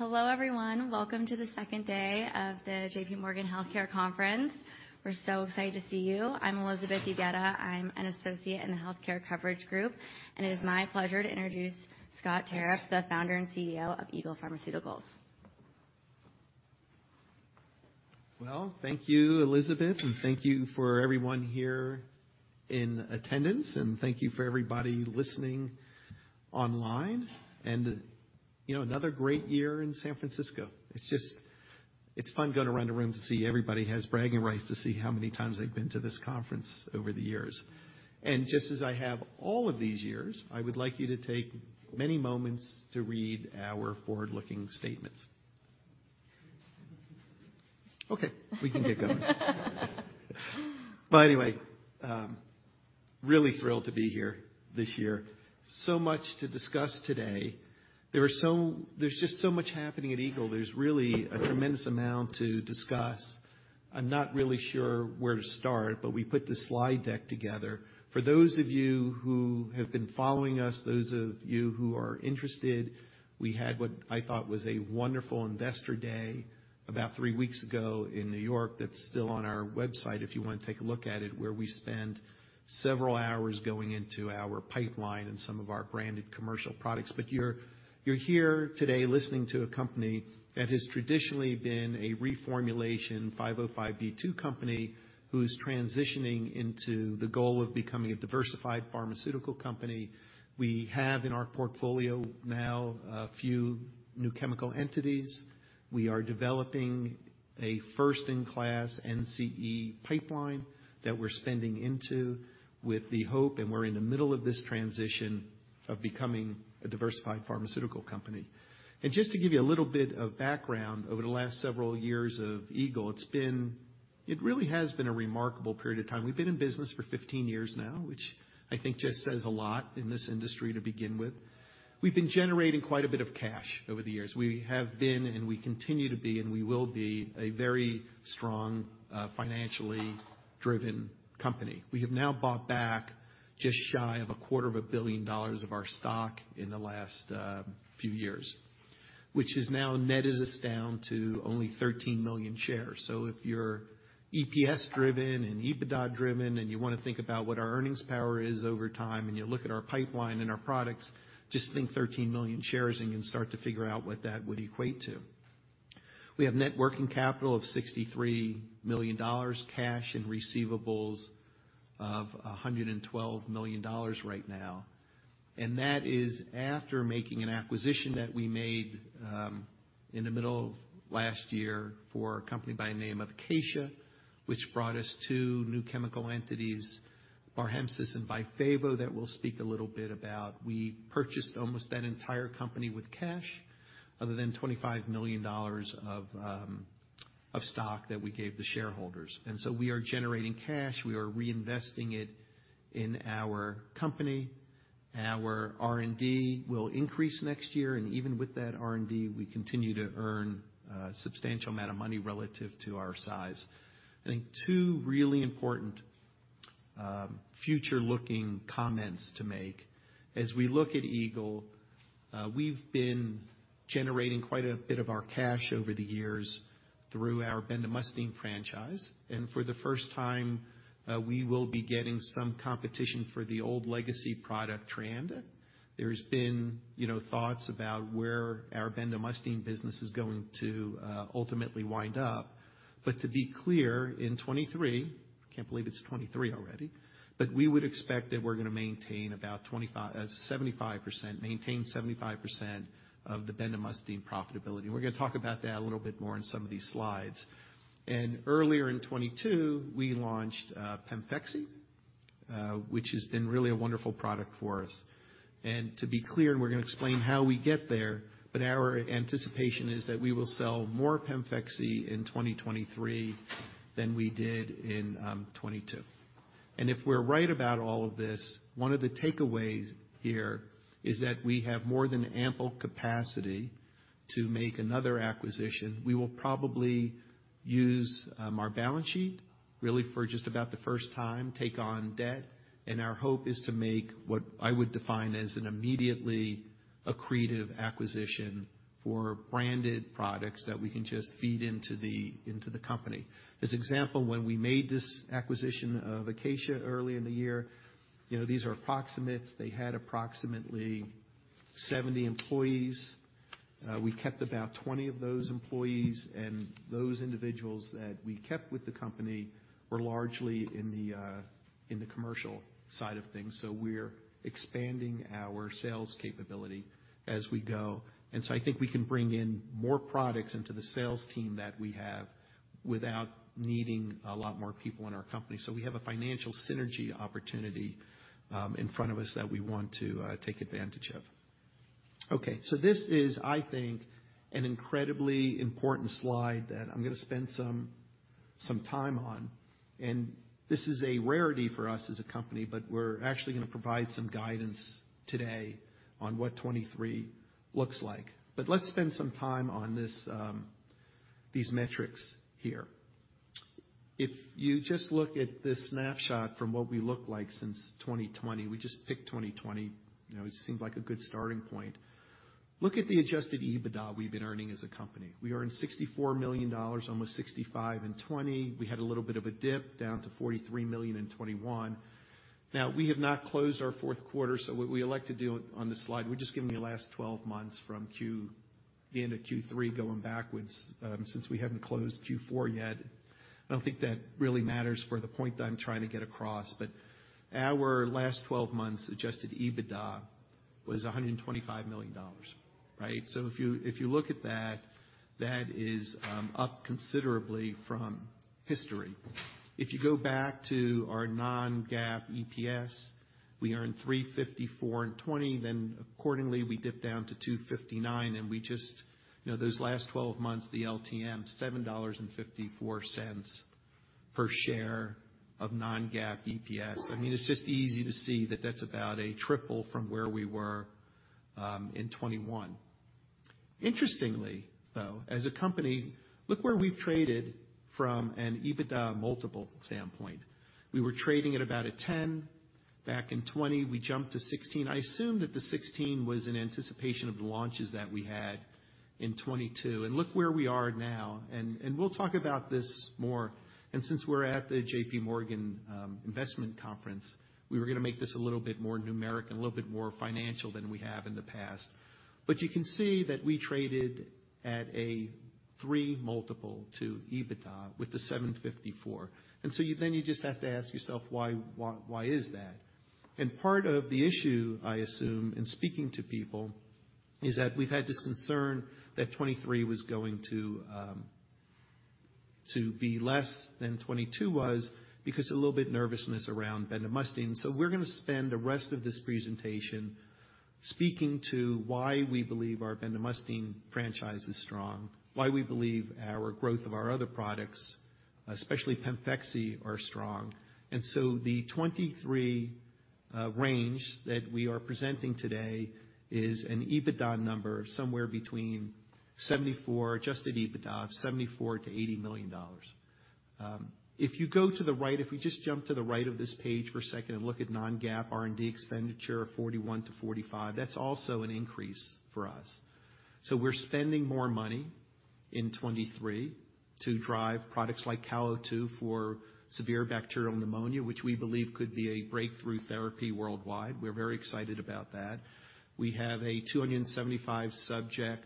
Hello, everyone. Welcome to the second day of the J.P. Morgan Healthcare Conference. We're so excited to see you. I'm Elizabeth Eguedea. I'm an associate in the healthcare coverage group, and it is my pleasure to introduce Scott Tarriff, the founder and CEO of Eagle Pharmaceuticals. Well, thank you, Elizabeth. Thank you for everyone here in attendance. Thank you for everybody listening online. You know, another great year in San Francisco. It's just, it's fun going around the room to see everybody has bragging rights to see how many times they've been to this conference over the years. Just as I have all of these years, I would like you to take many moments to read our forward-looking statements. Okay. We can get going. Anyway, really thrilled to be here this year. Much to discuss today. There's just so much happening at Eagle. There's really a tremendous amount to discuss. I'm not really sure where to start, but we put this slide deck together. For those of you who have been following us, those of you who are interested, we had what I thought was a wonderful investor day about three weeks ago in New York that's still on our website, if you wanna take a look at it, where we spent several hours going into our pipeline and some of our branded commercial products. You're here today listening to a company that has traditionally been a reformulation 505(b)(2) company who's transitioning into the goal of becoming a diversified pharmaceutical company. We have in our portfolio now a few new chemical entities. We are developing a first-in-class NCE pipeline that we're spending into with the hope, and we're in the middle of this transition, of becoming a diversified pharmaceutical company. Just to give you a little bit of background, over the last several years of Eagle, it's been... it really has been a remarkable period of time. We've been in business for 15 years now, which I think just says a lot in this industry to begin with. We've been generating quite a bit of cash over the years. We have been, and we continue to be, and we will be a very strong, financially driven company. We have now bought back just shy of a quarter of a billion dollars of our stock in the last few years, which has now netted us down to only 13 million shares. If you're EPS-driven and EBITDA-driven, and you wanna think about what our earnings power is over time, and you look at our pipeline and our products, just think 13 million shares and you can start to figure out what that would equate to. We have net working capital of $63 million, cash and receivables of $112 million right now. That is after making an acquisition that we made, in the middle of last year for a company by the name of Acacia, which brought us two new chemical entities, Barhemsys and Byfavo, that we'll speak a little bit about. We purchased almost that entire company with cash other than $25 million of stock that we gave the shareholders. We are generating cash. We are reinvesting it in our company. Our R&D will increase next year, and even with that R&D, we continue to earn a substantial amount of money relative to our size. I think two really important, future-looking comments to make. As we look at Eagle, we've been generating quite a bit of our cash over the years through our bendamustine franchise, and for the first time, we will be getting some competition for the old legacy product, Treanda. There's been, you know, thoughts about where our bendamustine business is going to ultimately wind up. To be clear, in 2023, can't believe it's 2023 already, but we would expect that we're gonna maintain about 75%, maintain 75% of the bendamustine profitability. We're gonna talk about that a little bit more in some of these slides. Earlier in 2022, we launched PEMFEXY, which has been really a wonderful product for us. To be clear, and we're gonna explain how we get there, but our anticipation is that we will sell more PEMFEXY in 2023 than we did in 2022. If we're right about all of this, one of the takeaways here is that we have more than ample capacity to make another acquisition. We will probably use our balance sheet, really for just about the first time, take on debt. Our hope is to make what I would define as an immediately accretive acquisition for branded products that we can just feed into the company. This example, when we made this acquisition of Acacia earlier in the year, you know, these are approximates. They had approximately 70 employees. We kept about 20 of those employees, and those individuals that we kept with the company were largely in the commercial side of things. We're expanding our sales capability as we go. I think we can bring in more products into the sales team that we have without needing a lot more people in our company. We have a financial synergy opportunity in front of us that we want to take advantage of. This is, I think, an incredibly important slide that I'm gonna spend some time on. This is a rarity for us as a company, but we're actually gonna provide some guidance today on what 23 looks like. Let's spend some time on these metrics here. If you just look at this snapshot from what we look like since 2020, we just picked 2020, you know, it seemed like a good starting point. Look at the adjusted EBITDA we've been earning as a company. We earned $64 million, almost 65 in 2020. We had a little bit of a dip down to $43 million in 2021. We have not closed our fourth quarter. What we elect to do on this slide, we're just giving you the last 12 months from the end of Q3 going backwards, since we haven't closed Q4 yet. I don't think that really matters for the point that I'm trying to get across. Our last 12 months adjusted EBITDA was $125 million, right? If you look at that is up considerably from history. If you go back to our non-GAAP EPS, we earned $3.54 in 2020. Accordingly, we dip down to $2.59, and we just, you know, those last 12 months, the LTM, $7.54 per share of non-GAAP EPS. I mean, it's just easy to see that that's about a triple from where we were in 2021. Interestingly, though, as a company, look where we've traded from an EBITDA multiple standpoint. We were trading at about a 10 back in 2020. We jumped to 16. I assume that the 16 was in anticipation of the launches that we had in 2022. Look where we are now. We'll talk about this more. Since we're at the J.P. Morgan investment conference, we were gonna make this a little bit more numeric and a little bit more financial than we have in the past. You can see that we traded at a three multiple to EBITDA with the $754. Then you just have to ask yourself why, why is that? Part of the issue, I assume, in speaking to people, is that we've had this concern that 2023 was going to be less than 2022 was because a little bit nervousness around bendamustine. We're gonna spend the rest of this presentation speaking to why we believe our bendamustine franchise is strong, why we believe our growth of our other products, especially PEMFEXY, are strong. The 2023 range that we are presenting today is an EBITDA number somewhere between $74 million, adjusted EBITDA of $74 million-$80 million. If you go to the right, if we just jump to the right of this page for a second and look at non-GAAP R&D expenditure of $41 million-$45 million, that's also an increase for us. We're spending more money in 2023 to drive products like CAL02 for severe bacterial pneumonia, which we believe could be a breakthrough therapy worldwide. We're very excited about that. We have a 275 subject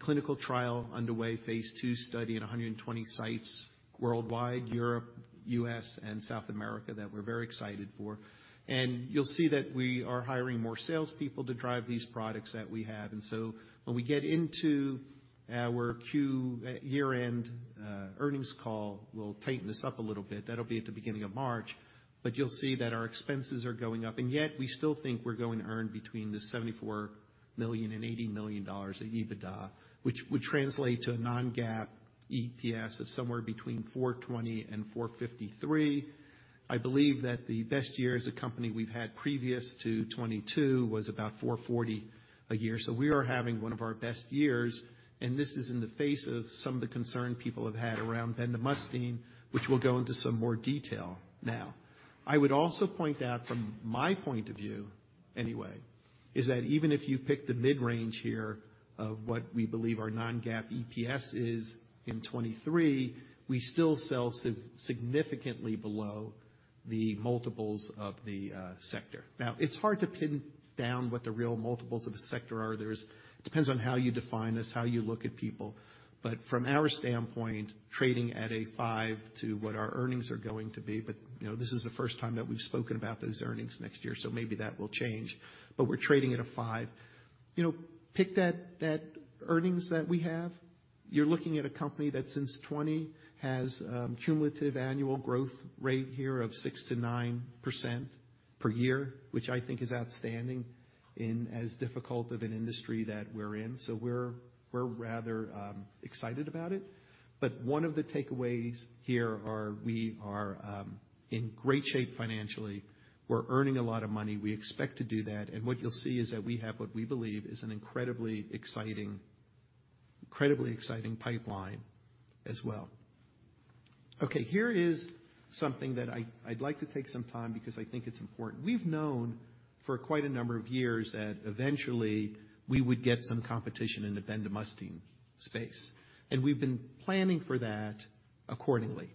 clinical trial underway, phase 2 study at 120 sites worldwide, Europe, U.S., and South America, that we're very excited for. You'll see that we are hiring more salespeople to drive these products that we have. When we get into our year-end earnings call, we'll tighten this up a little bit. That'll be at the beginning of March. You'll see that our expenses are going up, and yet we still think we're going to earn between $74 million and $80 million of EBITDA, which would translate to a non-GAAP EPS of somewhere between 4.20 and 4.53. I believe that the best year as a company we've had previous to 2022 was about 4.40 a year. We are having one of our best years, and this is in the face of some of the concern people have had around bendamustine, which we'll go into some more detail now. I would also point out from my point of view, anyway, is that even if you pick the mid-range here of what we believe our non-GAAP EPS is in 2023, we still sell significantly below the multiples of the sector. It's hard to pin down what the real multiples of a sector are. There's depends on how you define this, how you look at people. From our standpoint, trading at a five to what our earnings are going to be, but, you know, this is the first time that we've spoken about those earnings next year, so maybe that will change. We're trading at a five. You know, pick that earnings that we have. You're looking at a company that since 2020 has a cumulative annual growth rate here of 6%-9% per year, which I think is outstanding in as difficult of an industry that we're in. We're rather excited about it. One of the takeaways here are we are in great shape financially. We're earning a lot of money. We expect to do that. What you'll see is that we have what we believe is an incredibly exciting pipeline as well. Okay, here is something that I'd like to take some time because I think it's important. We've known for quite a number of years that eventually we would get some competition in the bendamustine space, and we've been planning for that accordingly.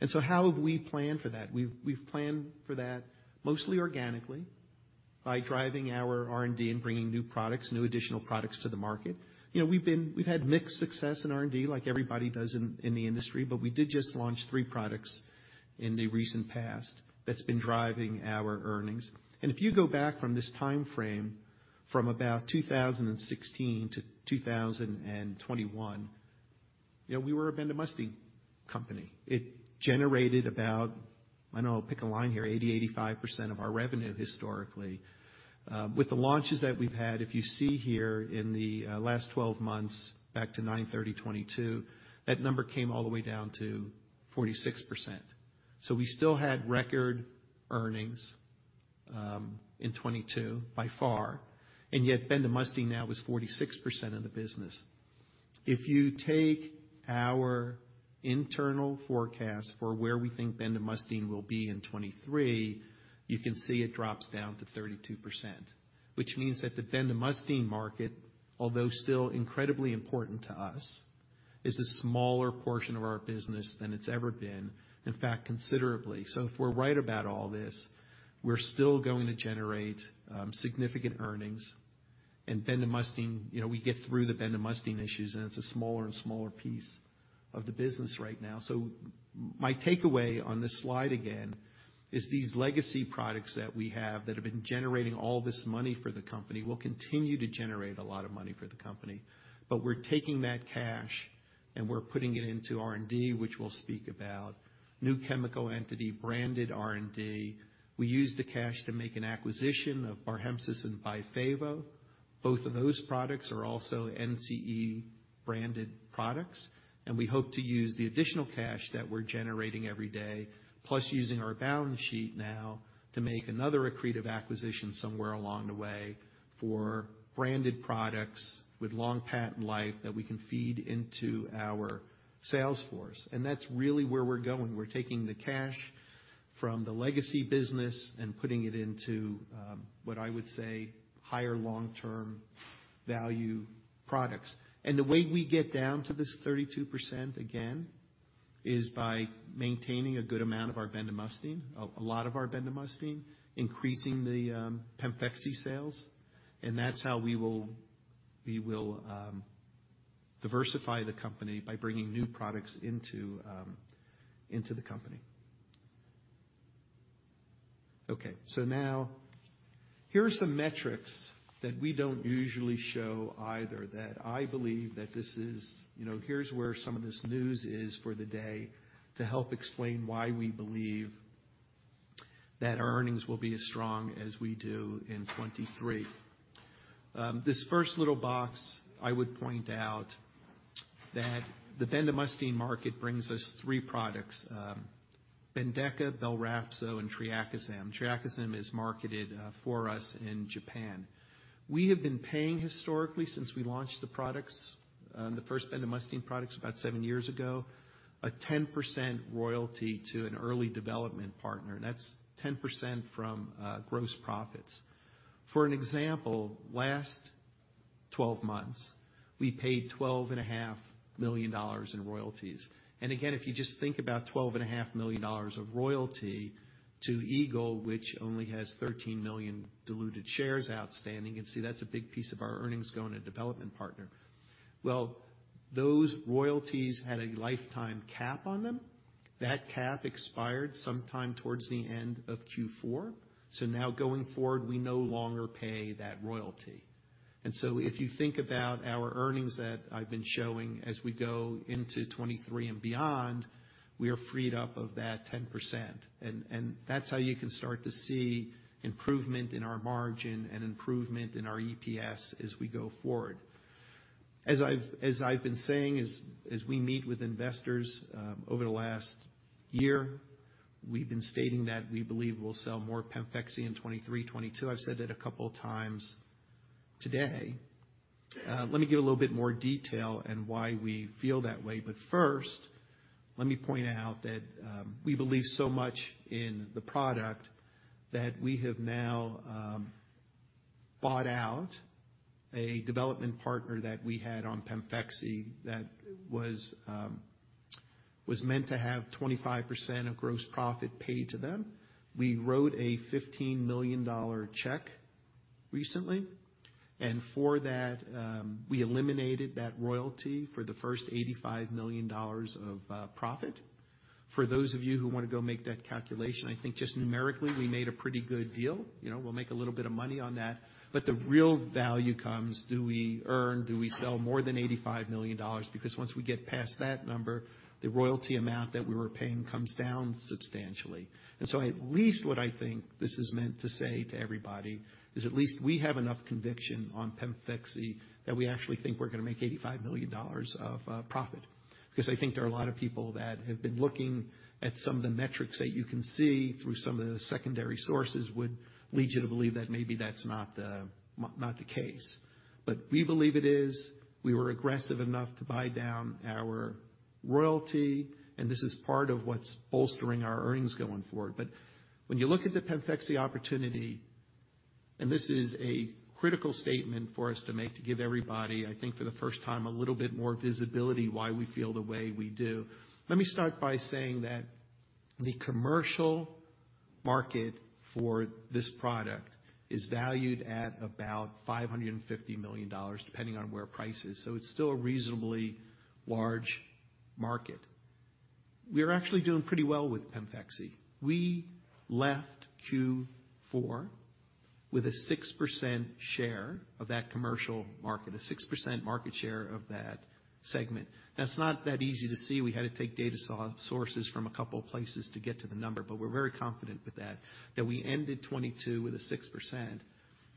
How have we planned for that? We've planned for that mostly organically by driving our R&D and bringing new products, new additional products to the market. You know, we've had mixed success in R&D like everybody does in the industry, but we did just launch three products in the recent past that's been driving our earnings. If you go back from this timeframe, from about 2016 to 2021, you know, we were a bendamustine company. It generated about, I don't know, pick a line here, 80%-85% of our revenue historically. With the launches that we've had, if you see here in the last 12 months back to 9/30/2022, that number came all the way down to 46%. We still had record earnings in 2022 by far, and yet bendamustine now is 46% of the business. If you take our internal forecast for where we think bendamustine will be in 2023, you can see it drops down to 32%, which means that the bendamustine market, although still incredibly important to us, is a smaller portion of our business than it's ever been, in fact, considerably. If we're right about all this, we're still going to generate significant earnings. bendamustine, you know, we get through the bendamustine issues, and it's a smaller and smaller piece of the business right now. My takeaway on this slide, again, is these legacy products that we have that have been generating all this money for the company will continue to generate a lot of money for the company. We're taking that cash, and we're putting it into R&D, which we'll speak about. New chemical entity-branded R&D. We used the cash to make an acquisition of Barhemsys and Byfavo. Both of those products are also NCE-branded products. We hope to use the additional cash that we're generating every day, plus using our balance sheet now to make another accretive acquisition somewhere along the way for branded products with long patent life that we can feed into our sales force. That's really where we're going. We're taking the cash from the legacy business and putting it into what I would say, higher long-term value products. The way we get down to this 32% again is by maintaining a good amount of our bendamustine, a lot of our bendamustine, increasing the PEMFEXY sales, and that's how we will diversify the company by bringing new products into the company. Okay. Now here are some metrics that we don't usually show either, that I believe that this is, you know, here's where some of this news is for the day to help explain why we believe that our earnings will be as strong as we do in 2023. This first little box, I would point out that the bendamustine market brings us three products, BENDEKA, BELRAPZO, and TREAKISYM. TREAKISYM is marketed for us in Japan. We have been paying historically since we launched the products, the 1st bendamustine products about seven years ago, a 10% royalty to an early development partner, and that's 10% from gross profits. For an example, last 12 months, we paid $12.5 million in royalties. Again, if you just think about twelve and a half million dollars of royalty to Eagle, which only has 13 million diluted shares outstanding, and see that's a big piece of our earnings going to development partner. Those royalties had a lifetime cap on them. That cap expired sometime towards the end of Q4. Now going forward, we no longer pay that royalty. If you think about our earnings that I've been showing as we go into 2023 and beyond, we are freed up of that 10%. That's how you can start to see improvement in our margin and improvement in our EPS as we go forward. As I've been saying, as we meet with investors over the last year, we've been stating that we believe we'll sell more PEMFEXY in 2023, 2022. I've said it a couple of times today. Let me give a little bit more detail on why we feel that way. But first, let me point out that we believe so much in the product that we have now, bought out a development partner that we had on PEMFEXY that was meant to have 25% of gross profit paid to them. We wrote a $15 million check recently, and for that, we eliminated that royalty for the first $85 million of profit. For those of you who wanna go make that calculation, I think just numerically, we made a pretty good deal. You know, we'll make a little bit of money on that. But the real value comes, do we earn, do we sell more than $85 million? Because once we get past that number, the royalty amount that we were paying comes down substantially. At least what I think this is meant to say to everybody is at least we have enough conviction on PEMFEXY that we actually think we're gonna make $85 million of profit. I think there are a lot of people that have been looking at some of the metrics that you can see through some of the secondary sources would lead you to believe that maybe that's not the case. We believe it is. We were aggressive enough to buy down our royalty, this is part of what's bolstering our earnings going forward. When you look at the PEMFEXY opportunity, and this is a critical statement for us to make to give everybody, I think, for the first time, a little bit more visibility why we feel the way we do. Let me start by saying that the commercial market for this product is valued at about $550 million, depending on where price is. It's still a reasonably large market. We are actually doing pretty well with PEMFEXY. We left Q4 with a 6% share of that commercial market, a 6% market share of that segment. That's not that easy to see. We had to take data sources from a couple of places to get to the number, but we're very confident with that we ended 2022 with a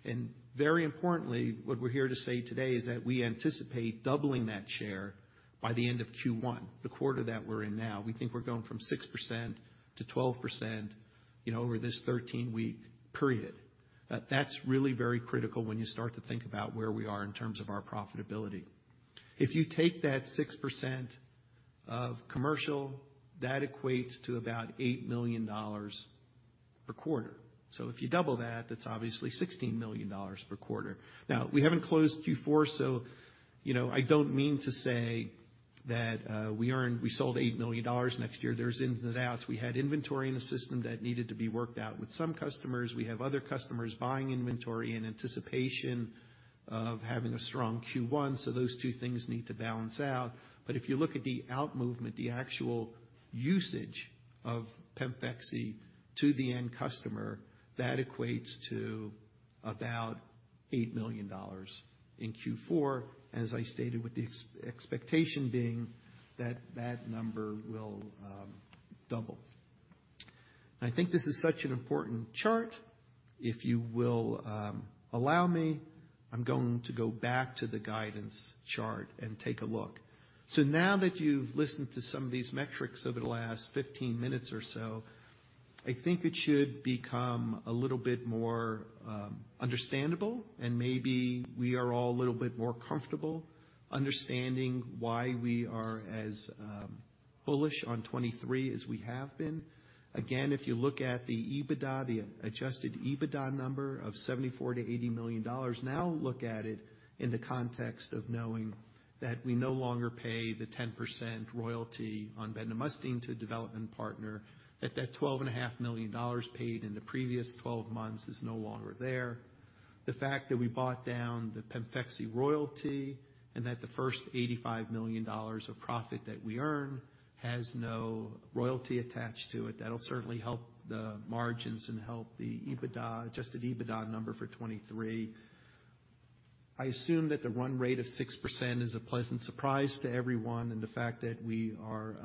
6%. Very importantly, what we're here to say today is that we anticipate doubling that share by the end of Q1, the quarter that we're in now. We think we're going from 6% to 12%, you know, over this 13-week period. That's really very critical when you start to think about where we are in terms of our profitability. If you take that 6% of commercial, that equates to about $8 million per quarter. If you double that's obviously $16 million per quarter. We haven't closed Q4, so, you know, I don't mean to say that we sold $80 million next year. There's ins and outs. We had inventory in the system that needed to be worked out with some customers. We have other customers buying inventory in anticipation of having a strong Q1. Those two things need to balance out. If you look at the out movement, the actual usage of PEMFEXY to the end customer, that equates to about $8 million in Q4, as I stated, with the ex-expectation being that that number will double. I think this is such an important chart. If you will, allow me, I'm going to go back to the guidance chart and take a look. Now that you've listened to some of these metrics over the last 15 minutes or so, I think it should become a little bit more understandable, and maybe we are all a little bit more comfortable understanding why we are as bullish on 2023 as we have been. Again, if you look at the EBITDA, the adjusted EBITDA number of $74 million-$80 million, now look at it in the context of knowing that we no longer pay the 10% royalty on bendamustine to development partner, that that $12.5 million paid in the previous 12 months is no longer there. The fact that we bought down the PEMFEXY royalty and that the first $85 million of profit that we earn has no royalty attached to it, that'll certainly help the margins and help the EBITDA, adjusted EBITDA number for 2023. I assume that the run rate of 6% is a pleasant surprise to everyone, and the fact that we are,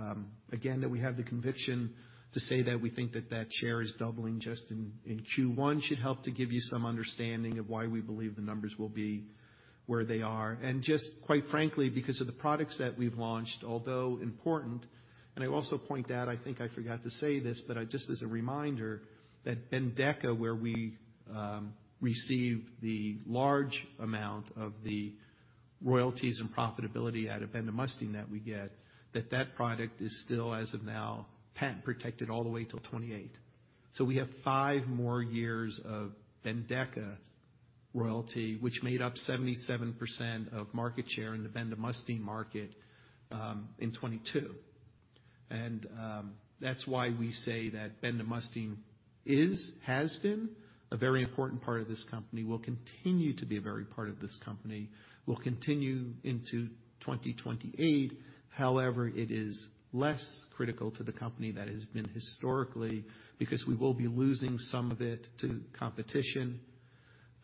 again, that we have the conviction to say that we think that that share is doubling just in Q1 should help to give you some understanding of why we believe the numbers will be where they are. Just quite frankly, because of the products that we've launched, although important, and I also point out. I think I forgot to say this, but just as a reminder, that Bendeka, where we received the large amount of the royalties and profitability out of Bendamustine that we get, that that product is still, as of now, patent protected all the way till 2028. We have five more years of Bendeka royalty, which made up 77% of market share in the Bendamustine market in 2022. That's why we say that bendamustine has been a very important part of this company, will continue to be a very part of this company, will continue into 2028. However, it is less critical to the company that it has been historically because we will be losing some of it to competition,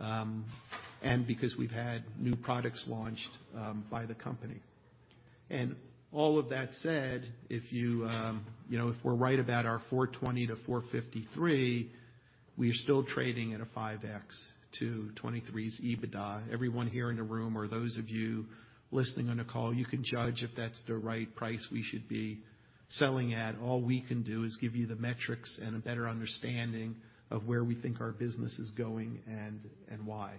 and because we've had new products launched by the company. All of that said, if you know, if we're right about our $420-$453, we are still trading at a 5x to 2023's EBITDA. Everyone here in the room or those of you listening on the call, you can judge if that's the right price we should be selling at. All we can do is give you the metrics and a better understanding of where we think our business is going and why.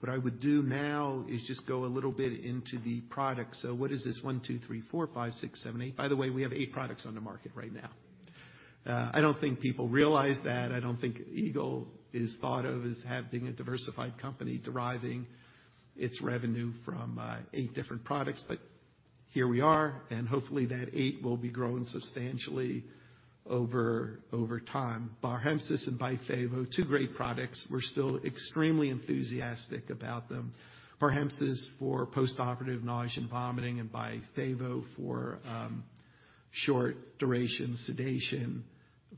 What I would do now is just go a little bit into the products. What is this? one, two, three, four, five, six, seven, eight. By the way, we have eight products on the market right now. I don't think people realize that. I don't think Eagle is thought of as having a diversified company deriving its revenue from eight different products. Here we are, and hopefully, that eight will be growing substantially over time. Barhemsys and Byfavo, two great products. We're still extremely enthusiastic about them. Barhemsys for postoperative nausea and vomiting and Byfavo for short-duration sedation.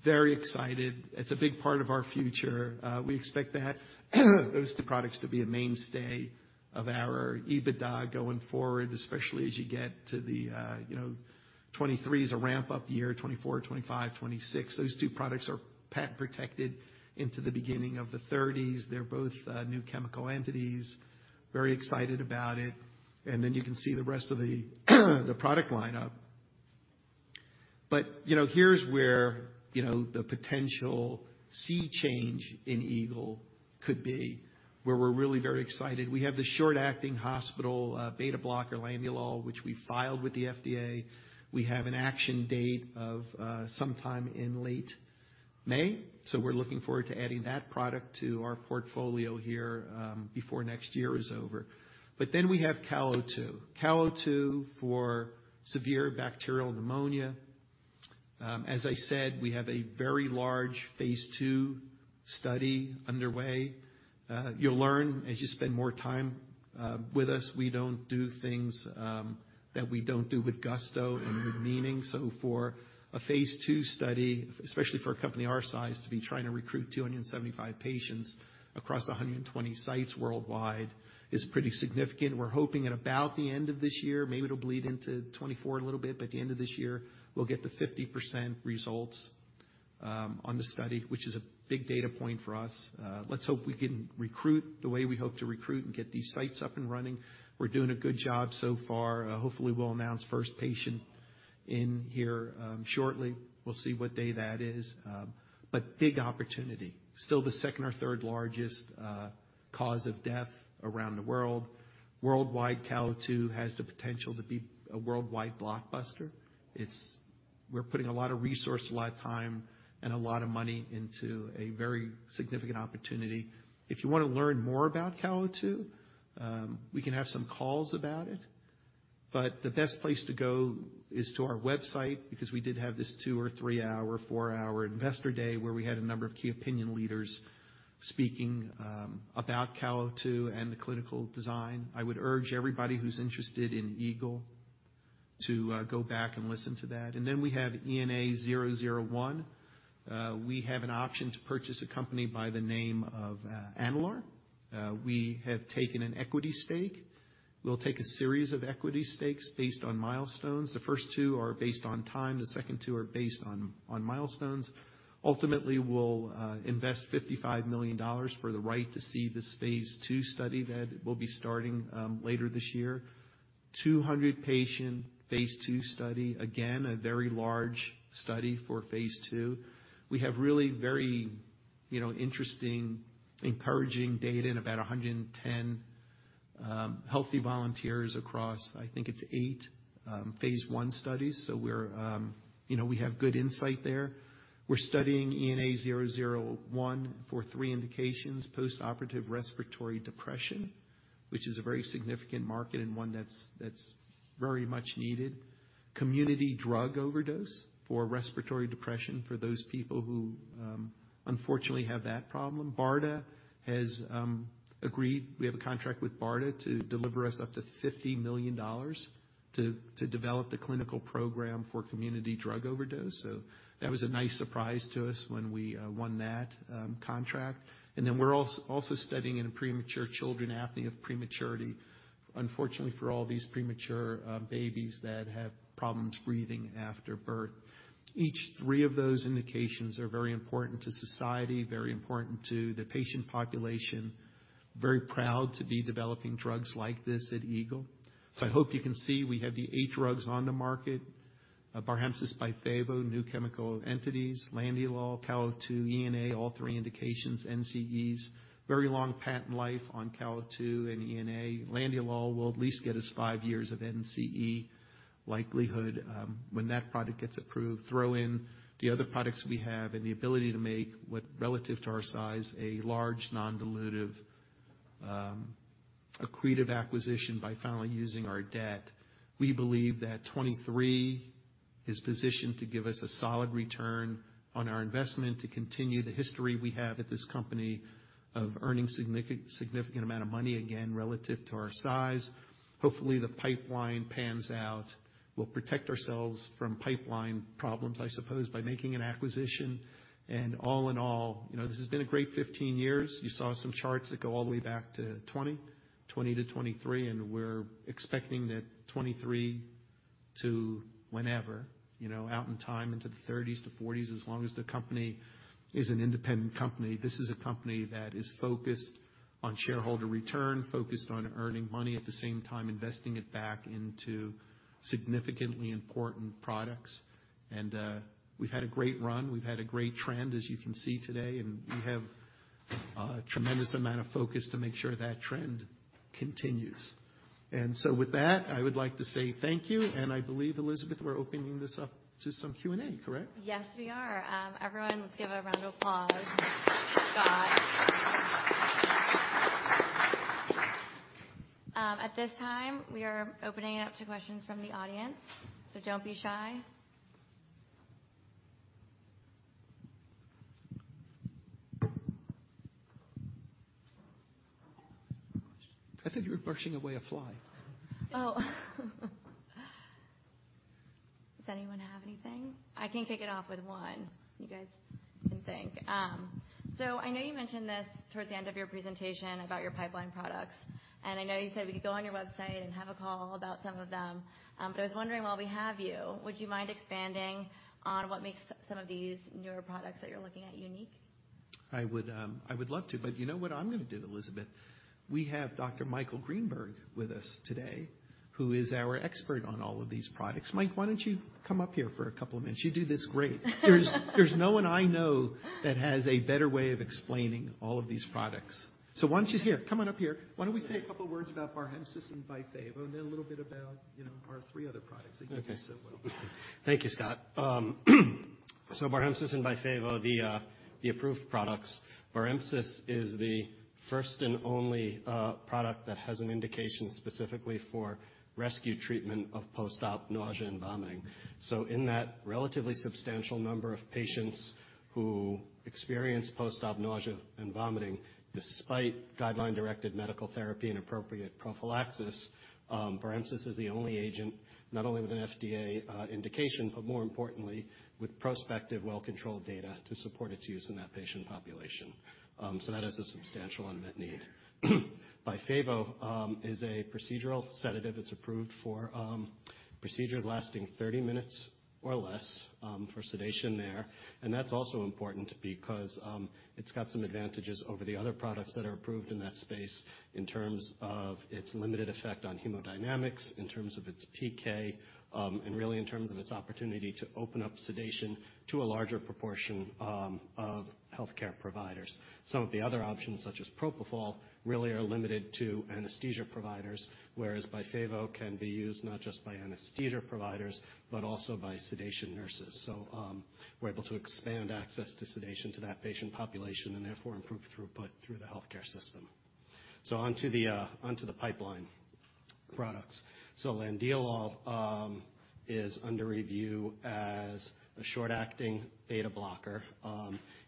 Very excited. It's a big part of our future. We expect that, those two products to be a mainstay of our EBITDA going forward, especially as you get to the, you know, 2023 is a ramp-up year, 2024, 2025, 2026. Those two products are patent protected into the beginning of the 30s. They're both new chemical entities. Very excited about it. You can see the rest of the product lineup. You know, here's where, you know, the potential sea change in Eagle could be, where we're really very excited. We have the short-acting hospital beta blocker, landiolol, which we filed with the FDA. We have an action date of sometime in late May. We're looking forward to adding that product to our portfolio here before next year is over. We have CAL02. CAL02 for severe bacterial pneumonia. As I said, we have a very large phase 2 study underway. You'll learn as you spend more time with us, we don't do things that we don't do with gusto and with meaning. For a phase two study, especially for a company our size, to be trying to recruit 275 patients across 120 sites worldwide is pretty significant. We're hoping at about the end of this year, maybe it'll bleed into 2024 a little bit, but at the end of this year, we'll get the 50% results. On the study, which is a big data point for us. Let's hope we can recruit the way we hope to recruit and get these sites up and running. We're doing a good job so far. Hopefully, we'll announce first patient in here shortly. We'll see what day that is. Big opportunity. Still the second or third largest cause of death around the world. Worldwide, CAL02 has the potential to be a worldwide blockbuster. We're putting a lot of resource, a lot of time, and a lot of money into a very significant opportunity. If you wanna learn more about CAL02, we can have some calls about it, but the best place to go is to our website because we did have this two or three-hour, four-hour investor day where we had a number of key opinion leaders speaking about CAL02 and the clinical design. I would urge everybody who's interested in Eagle to go back and listen to that. We have ENA-001. We have an option to purchase a company by the name of Enalare. We have taken an equity stake. We'll take a series of equity stakes based on milestones. The first two are based on time, the second two are based on milestones. Ultimately, we'll invest $55 million for the right to see this phase 2 study that will be starting later this year. 200 patient phase 2 study. Again, a very large study for phase 2. We have really very, you know, interesting, encouraging data in about 110 healthy volunteers across, I think it's eight phase 1 studies. You know, we have good insight there. We're studying ENA-001 for three indications, postoperative respiratory depression, which is a very significant market and one that's very much needed. Community drug overdose for respiratory depression for those people who unfortunately have that problem. BARDA has agreed. We have a contract with BARDA to deliver us up to $50 million to develop the clinical program for community drug overdose. That was a nice surprise to us when we won that contract. We're also studying in premature children, apnea of prematurity. Unfortunately for all these premature babies that have problems breathing after birth. Each three of those indications are very important to society, very important to the patient population. Very proud to be developing drugs like this at Eagle. I hope you can see, we have the eight drugs on the market. Barhemsys, Byfavo, new chemical entities, landiolol, CAL02, ENA, all eight indications, NCEs. Very long patent life on CAL02 and ENA. landiolol will at least get us five years of NCE likelihood, when that product gets approved. Throw in the other products we have and the ability to make what, relative to our size, a large non-dilutive, accretive acquisition by finally using our debt. We believe that 23 is positioned to give us a solid return on our investment to continue the history we have at this company of earning significant amount of money, again, relative to our size. Hopefully, the pipeline pans out. We'll protect ourselves from pipeline problems, I suppose, by making an acquisition. All in all, you know, this has been a great 15 years. You saw some charts that go all the way back to 20-23, and we're expecting that 23 to whenever, you know, out in time into the 30s to 40s, as long as the company is an independent company. This is a company that is focused on shareholder return, focused on earning money, at the same time, investing it back into significantly important products. We've had a great run. We've had a great trend, as you can see today, and we have a tremendous amount of focus to make sure that trend continues. With that, I would like to say thank you. I believe, Elizabeth, we're opening this up to some Q&A, correct? Yes, we are. Everyone, let's give a round of applause to Scott. At this time, we are opening it up to questions from the audience. Don't be shy. I thought you were perishing away a fly. Oh. Does anyone have anything? I can kick it off with one. You guys can think. I know you mentioned this towards the end of your presentation about your pipeline products. I know you said we could go on your website and have a call about some of them. I was wondering, while we have you, would you mind expanding on what makes some of these newer products that you're looking at unique? I would love to. You know what I'm gonna do, Elizabeth? We have Dr. Michael Greenberg with us today who is our expert on all of these products. Mike, why don't you come up here for a couple of minutes? You do this great. There's no one I know that has a better way of explaining all of these products. Why don't you... Here, come on up here. Why don't we say a couple words about Barhemsys and Byfavo, and then a little bit about, you know, our three other products that you know so well. Okay. Thank you, Scott. Barhemsys and Byfavo, the approved products. Barhemsys is the first and only product that has an indication specifically for rescue treatment of post-op nausea and vomiting. In that relatively substantial number of patients who experience post-op nausea and vomiting, despite guideline-directed medical therapy and appropriate prophylaxis. Barhemsys is the only agent not only with an FDA indication, but more importantly, with prospective well-controlled data to support its use in that patient population. That is a substantial unmet need. Byfavo is a procedural sedative. It's approved for procedures lasting 30 minutes or less for sedation there. That's also important because it's got some advantages over the other products that are approved in that space. In terms of its limited effect on hemodynamics, in terms of its PK, and really in terms of its opportunity to open up sedation to a larger proportion of healthcare providers. Some of the other options, such as propofol, really are limited to anesthesia providers, whereas Byfavo can be used not just by anesthesia providers, but also by sedation nurses. We're able to expand access to sedation to that patient population, and therefore, improve throughput through the healthcare system. Onto the pipeline products. Landiolol is under review as a short-acting beta blocker.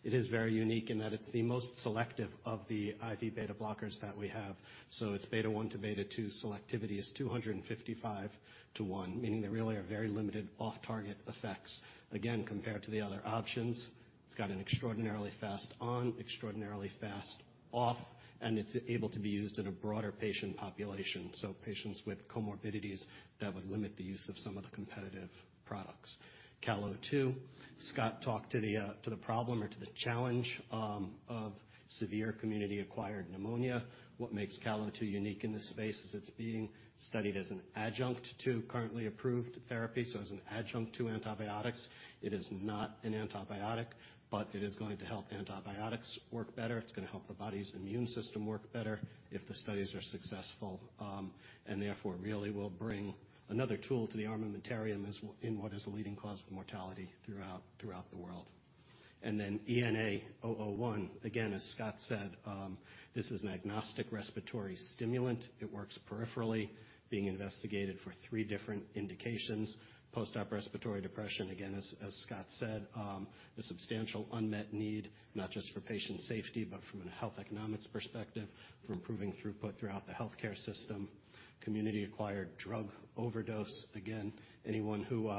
It is very unique in that it's the most selective of the IV beta blockers that we have. It's beta-1 to beta-2 selectivity is 255 to one, meaning there really are very limited off-target effects. Again, compared to the other options, it's got an extraordinarily fast on, extraordinarily fast off, and it's able to be used in a broader patient population, so patients with comorbidities that would limit the use of some of the competitive products. CAL02, Scott talked to the problem or to the challenge of severe community-acquired pneumonia. What makes CAL02 unique in this space is it's being studied as an adjunct to currently approved therapy, so as an adjunct to antibiotics. It is not an antibiotic, but it is going to help antibiotics work better. It's gonna help the body's immune system work better if the studies are successful. Therefore, really will bring another tool to the armamentarium in what is a leading cause of mortality throughout the world. Then ENA-001, again, as Scott said, this is an agnostic respiratory stimulant. It works peripherally, being investigated for three different indications. Post-op respiratory depression, again, as Scott said, a substantial unmet need, not just for patient safety, but from a health economics perspective, for improving throughput throughout the healthcare system. Community-acquired drug overdose. Again, anyone who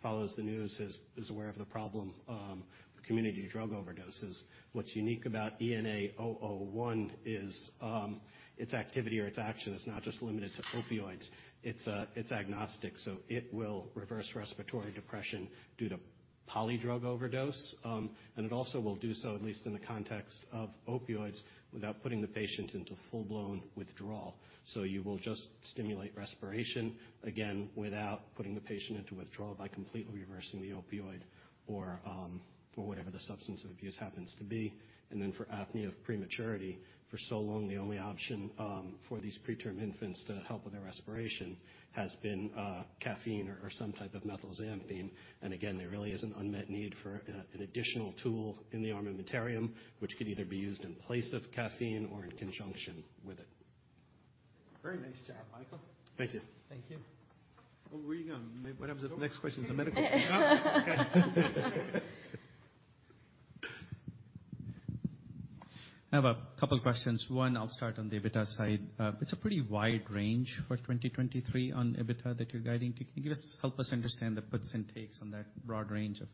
follows the news is aware of the problem with community drug overdoses. What's unique about ENA-001 is its activity or its action is not just limited to opioids. It's agnostic, so it will reverse respiratory depression due to polydrug overdose. It also will do so, at least in the context of opioids, without putting the patient into full-blown withdrawal. You will just stimulate respiration, again, without putting the patient into withdrawal by completely reversing the opioid or whatever the substance abuse happens to be. Then for apnea of prematurity, for so long, the only option for these preterm infants to help with their respiration has been caffeine or some type of methylxanthine. Again, there really is an unmet need for an additional tool in the armamentarium, which could either be used in place of caffeine or in conjunction with it. Very nice job, Michael. Thank you. Thank you. Oh, where are you going? Maybe whatever the next question is a medical one. I have a couple questions. One, I'll start on the EBITDA side. It's a pretty wide range for 2023 on EBITDA that you're guiding to. Can you help us understand the puts and takes on that broad range of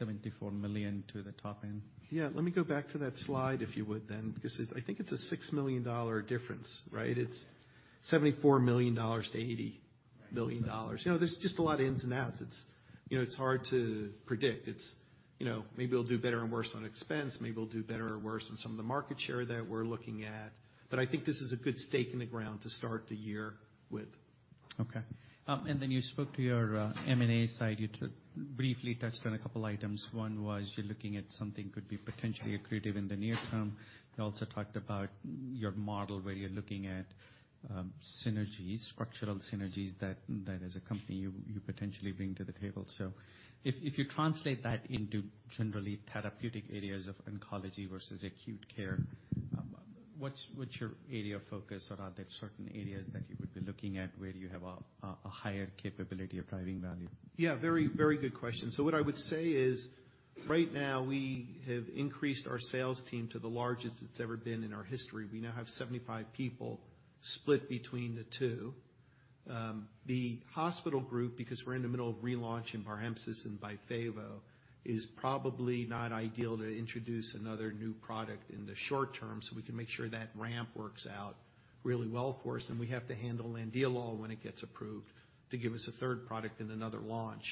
$74 million to the top end? Yeah, let me go back to that slide, if you would, then. It's, I think it's a $6 million difference, right? It's $74 million to $80 million. You know, there's just a lot of ins and outs. It's, you know, it's hard to predict. It's, you know, maybe we'll do better and worse on expense. Maybe we'll do better or worse on some of the market share that we're looking at. I think this is a good stake in the ground to start the year with. Okay. You spoke to your M&A side. You briefly touched on a couple items. One was you're looking at something could be potentially accretive in the near term. You also talked about your model where you're looking at synergies, structural synergies that as a company you potentially bring to the table. If you translate that into generally therapeutic areas of oncology versus acute care, what's your area of focus or are there certain areas that you would be looking at where you have a higher capability of driving value? Yeah, very, very good question. What I would say is, right now we have increased our sales team to the largest it's ever been in our history. We now have 75 people split between the two. The hospital group, because we're in the middle of relaunching Barhemsys and Byfavo, is probably not ideal to introduce another new product in the short term, so we can make sure that ramp works out really well for us. And we have to handle landiolol when it gets approved to give us a third product and another launch.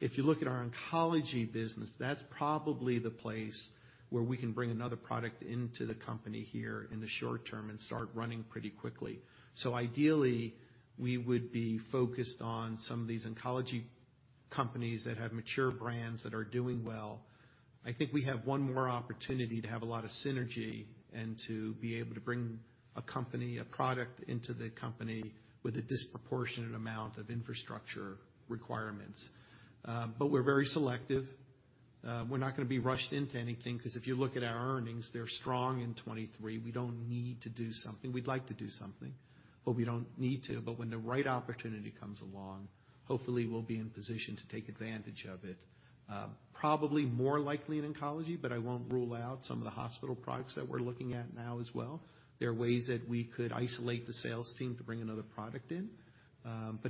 If you look at our oncology business, that's probably the place where we can bring another product into the company here in the short term and start running pretty quickly. Ideally, we would be focused on some of these oncology companies that have mature brands that are doing well. I think we have one more opportunity to have a lot of synergy and to be able to bring a company, a product into the company with a disproportionate amount of infrastructure requirements. We're very selective. We're not gonna be rushed into anything, 'cause if you look at our earnings, they're strong in 2023. We don't need to do something. We'd like to do something, but we don't need to. When the right opportunity comes along, hopefully we'll be in position to take advantage of it. Probably more likely in oncology, but I won't rule out some of the hospital products that we're looking at now as well. There are ways that we could isolate the sales team to bring another product in.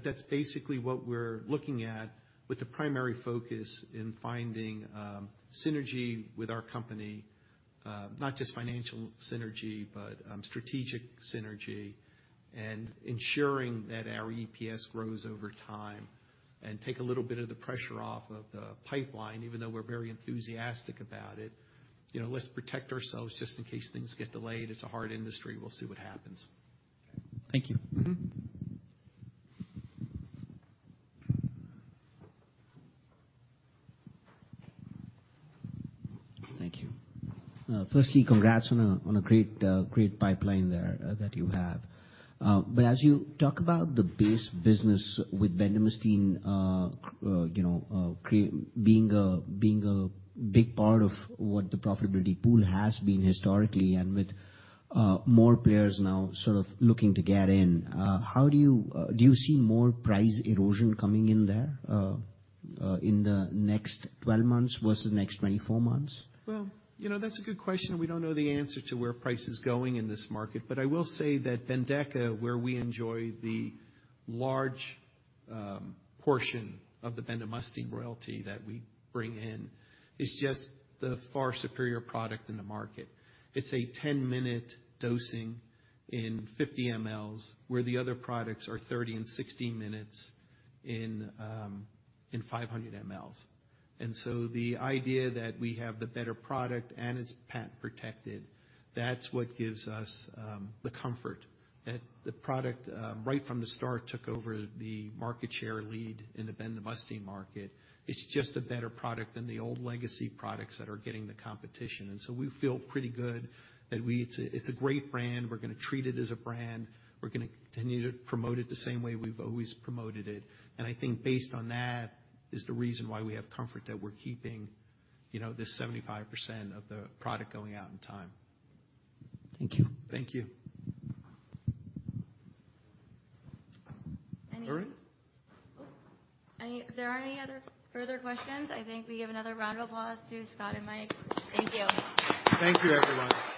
That's basically what we're looking at with the primary focus in finding synergy with our company, not just financial synergy, but strategic synergy. Ensuring that our EPS grows over time and take a little bit of the pressure off of the pipeline, even though we're very enthusiastic about it. You know, let's protect ourselves just in case things get delayed. It's a hard industry. We'll see what happens. Thank you. Mm-hmm. Thank you. firstly, congrats on a, on a great pipeline there that you have. As you talk about the base business with bendamustine, you know, being a big part of what the profitability pool has been historically and with, more players now sort of looking to get in, how do you... do you see more price erosion coming in there, in the next 12 months versus next 24 months? Well, you know, that's a good question, we don't know the answer to where price is going in this market. I will say that BENDEKA, where we enjoy the large portion of the bendamustine royalty that we bring in, is just the far superior product in the market. It's a 10-minute dosing in 50 mls, where the other products are 30 and 60 minutes in 500 mls. The idea that we have the better product and it's patent protected, that's what gives us the comfort. That the product right from the start took over the market share lead in the bendamustine market. It's just a better product than the old legacy products that are getting the competition. We feel pretty good that It's a great brand. We're gonna treat it as a brand. We're gonna continue to promote it the same way we've always promoted it. I think based on that is the reason why we have comfort that we're keeping, you know, this 75% of the product going out in time. Thank you. Thank you. Any- Are we? Oh. Are there any other further questions? I think we give another round of applause to Scott and Mike. Thank you. Thank you, everyone. Thank you.